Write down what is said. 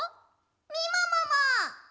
みももも。